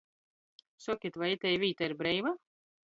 Sokit, voi itei vīta ir breiva?